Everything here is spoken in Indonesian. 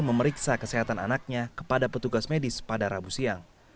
memeriksa kesehatan anaknya kepada petugas medis pada rabu siang